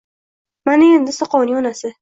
Mana endi, Soqovning onasi —